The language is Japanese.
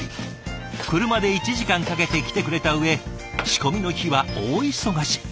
車で１時間かけて来てくれたうえ仕込みの日は大忙し。